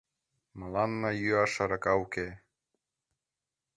Мыланна йӱаш арака уке.